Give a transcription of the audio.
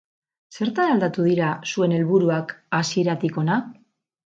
Zertan aldatu dira zuen helburuak hasieratik hona?